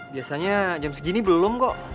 biasanya jam segini belum kok